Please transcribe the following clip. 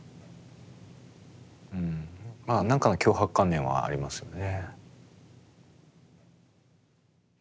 うんまあ何かの強迫観念はありますよね。